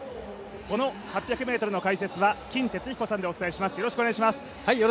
この８００ｍの解説は金哲彦さんでお送りします。